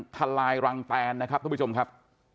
ทลายรังแตนนะครับทุกผู้ชมครับ